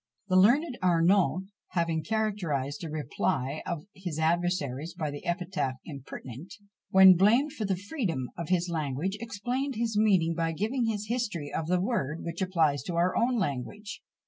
The learned Arnauld having characterised a reply of one of his adversaries by the epithet impertinent, when blamed for the freedom of his language, explained his meaning by giving this history of the word, which applies to our own language.